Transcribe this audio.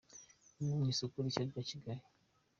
no mu isoko rishya rya Kigali.